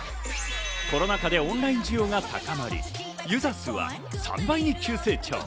コロナ禍でオンライン需要が高まり、ユーザー数は３倍に急成長。